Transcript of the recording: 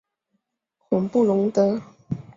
孔布龙德。